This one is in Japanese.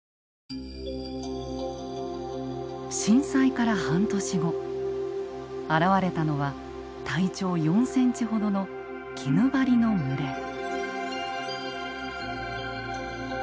震災から半年後現れたのは体長４センチほどのキヌバリの群れ。